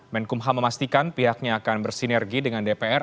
menkum ham memastikan pihaknya akan bersinergi dengan dpr